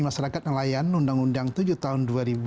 masyarakat nelayan undang undang tujuh tahun dua ribu dua